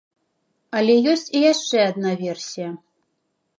Але ёсць і яшчэ адна версія.